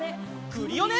クリオネ！